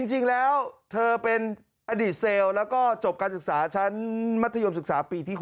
จริงแล้วเธอเป็นอดีตเซลล์แล้วก็จบการศึกษาชั้นมัธยมศึกษาปีที่๖